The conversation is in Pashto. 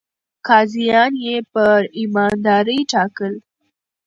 قاضيان يې پر ايماندارۍ ټاکل.